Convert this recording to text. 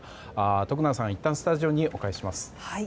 徳永さん、いったんスタジオにお返しします。